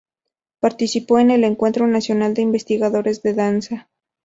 Participó en el Encuentro Nacional de Investigadores de Danza.